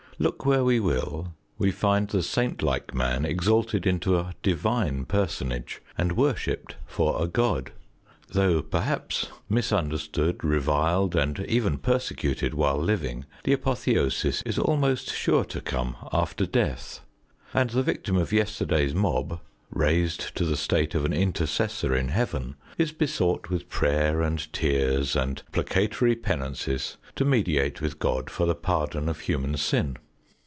Look where we will, we find the saint like man exalted into a divine personage and worshipped for a god. Though perhaps misunderstood, reviled and even persecuted while living, the apotheosis is almost sure to come after death: and the victim of yesterday's mob, raised to the state of an Intercessor in Heaven, is besought with prayer and tears, and placatory penances, to mediate with God for the pardon of human sin.